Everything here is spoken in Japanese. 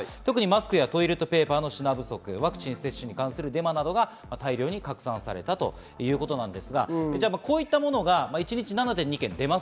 特にマスクやトイレットペーパーの品不足、ワクチン接種に関するデマなどが大量に拡散されたということです。